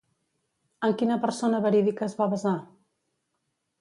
En quina persona verídica es va basar?